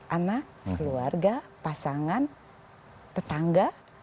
anak keluarga pasangan tetangga